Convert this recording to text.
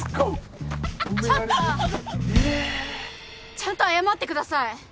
ちゃんと謝ってください。